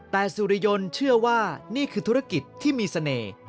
แต่สุริยนต์เชื่อว่านี่คือธุรกิจที่มีเสน่ห์